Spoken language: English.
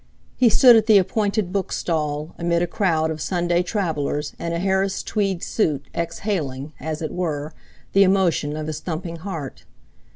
He stood at the appointed bookstall, amid a crowd of Sunday travellers, in a Harris tweed suit exhaling, as it were, the emotion of his thumping heart.